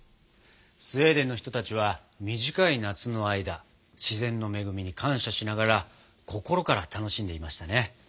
スウェーデンの人たちは短い夏の間自然の恵みに感謝しながら心から楽しんでいましたね。